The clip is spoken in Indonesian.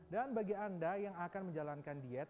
dan bagi anda yang akan menjalankan diet